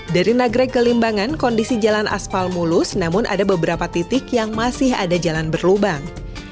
dari nagrek ke limbangan kondisi jalan aspal mulus namun ada beberapa titik yang masih ada jalan berlubang